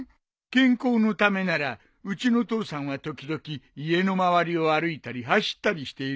健康のためならうちの父さんは時々家の周りを歩いたり走ったりしているよ。